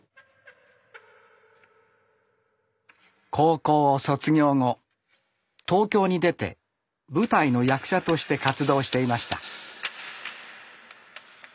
高校を卒業後東京に出て舞台の役者として活動していました。